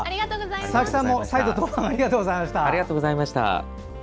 佐々木さんも再度どうもありがとうございました。